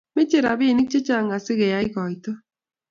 Mechei robinik che chang' sikeyei koito